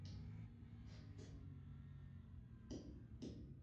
افغانستان د بادي انرژي د ترویج لپاره پروګرامونه لري.